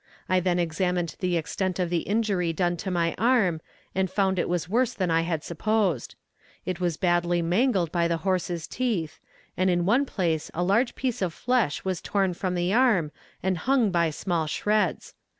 I then examined the extent of the injury done to my arm, and found it was worse than I had supposed. It was badly mangled by the horse's teeth, and in one place a large piece of flesh was torn from the arm and hung by small shreds.